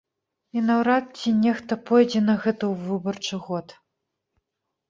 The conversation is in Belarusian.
І наўрад ці нехта пойдзе на гэта ў выбарчы год.